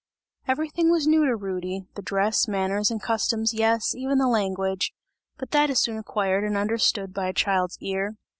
Everything was new to Rudy, the dress, manners and customs, yes, even the language, but that is soon acquired and understood by a child's ear.